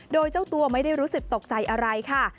โดยเจ้าตัวไม่ได้รู้สึกตกใจอะไรค่ะ